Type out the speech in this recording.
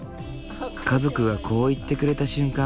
家族がこう言ってくれた瞬間